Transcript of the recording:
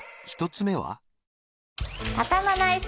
１つ目は？